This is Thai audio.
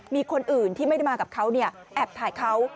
มีคนอื่นที่ไม่ได้มากับเขาแอบถ่ายเขา